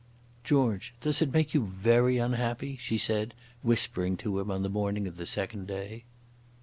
"George, does it make you very unhappy?" she said, whispering to him on the morning of the second day.